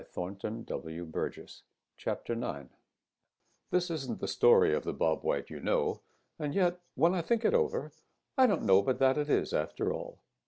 WHEN BOB WHITE WON HIS NAME |THIS isn't the story of the Bob White you know, and yet when I think it over, I don't know but that it is, after all.